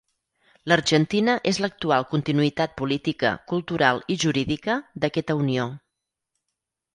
L'Argentina és l'actual continuïtat política, cultural i jurídica d'aquesta unió.